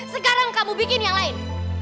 sekarang kamu bikin yang lain